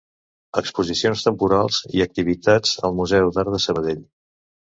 Exposicions temporals i activitats al Museu d'Art de Sabadell.